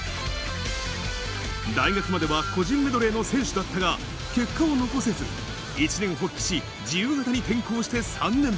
大学までは個人メドレーの選手だったが、結果を残せず、一念発起し、自由形に転向して３年。